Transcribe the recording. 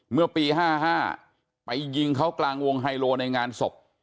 เมื่อปี๕๕ไปยิงเขากลางวงไฮโลในงานศพ